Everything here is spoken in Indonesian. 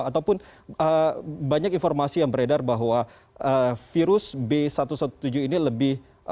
ataupun banyak informasi yang beredar bahwa virus b tujuh belas ini lebih